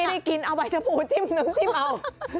ไม่ได้กินเอาใบชะพูจิ้มน้ำจิ้มเอา